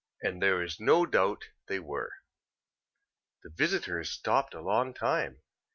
As there is no doubt they were. The visitors stopped a long time.